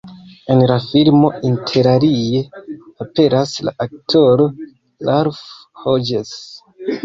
En la filmo interalie aperas la aktoro Ralph Hodges.